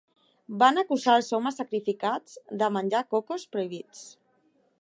Van acusar els homes sacrificats de menjar cocos prohibits.